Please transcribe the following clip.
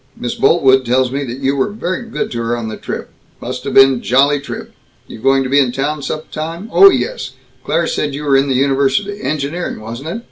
Miss Boltwood tells me that you were very good to her on the trip. Must have been jolly trip. You going to be in town some time, oh yes, Claire said you were in the university, engineering, wasn't it?